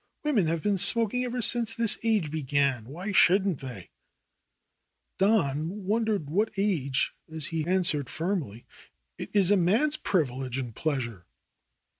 Women have been smok ing ever since this age began. Why shouldn't they ?" Don wondered what age as he answered firmly, 'Tt is a man's privilege and pleasure."